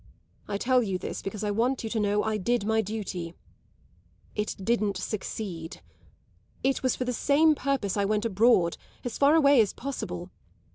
I tell you this because I want you to know I did my duty. I didn't succeed. It was for the same purpose I went abroad as far away as possible.